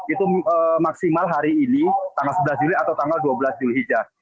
itu maksimal hari ini tanggal sebelas juli atau tanggal dua belas julhijjah